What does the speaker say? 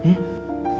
kamu gak apa apa